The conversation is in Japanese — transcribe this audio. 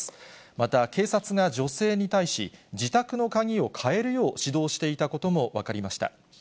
また警察が女性に対し、自宅の鍵を替えるよう指導していたことも分かりました。